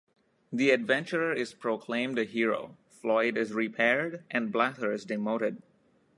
The adventurer is proclaimed a hero, Floyd is repaired, and Blather is demoted.